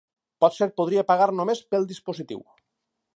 Potser podria pagar només pel dispositiu.